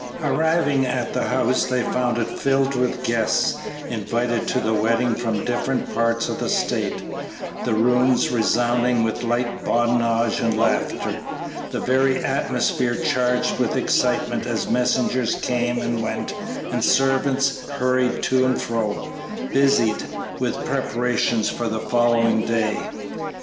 Arriving at the house, they found it filled with guests invited to the wedding from different parts of the State, the rooms resounding with light badinage and laughter, the very atmosphere charged with excitement as messengers came and went and servants hurried to and fro, busied with preparations for the following day.